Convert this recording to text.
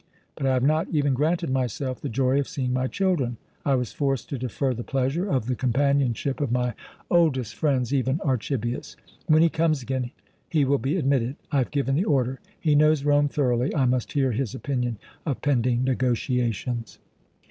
But I have not even granted myself the joy of seeing my children. I was forced to defer the pleasure of the companionship of my oldest friends, even Archibius. When he comes again he will be admitted. I have given the order. He knows Rome thoroughly. I must hear his opinion of pending negotiations."